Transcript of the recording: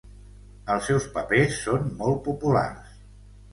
Els seus papers són molt populars.